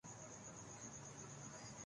ہندوستان کی موریا سلطنت کا بانی تھا